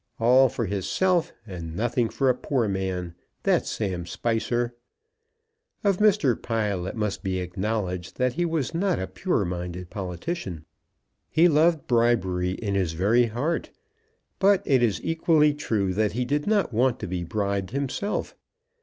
All for hisself, and nothing for a poor man. That's Sam Spicer." Of Mr. Pile, it must be acknowledged that he was not a pure minded politician. He loved bribery in his very heart. But it is equally true that he did not want to be bribed himself.